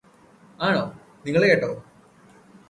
ആണോ നിങ്ങള് കേട്ടോ